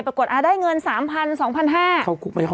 ปรากฏอ่าได้เงิน๓๐๐๐๒๕๐๐บาท